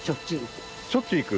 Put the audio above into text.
しょっちゅう行く。